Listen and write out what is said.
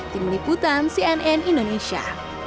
tim liputan cnn indonesia